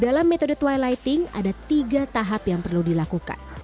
dalam metode twilighting ada tiga tahap yang perlu dilakukan